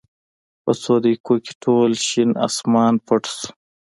په څو دقېقو کې ټول شین اسمان پټ شو.